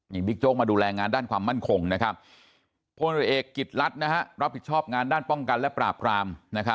นี่บิ๊กโจ๊กมาดูแลงานด้านความมั่นคงพลเอกกิจรัฐรับผิดชอบงานด้านป้องกันและปราบราม